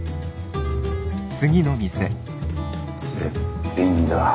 絶品だ。